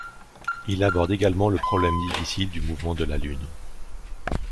Il aborde également le problème difficile du mouvement de la Lune.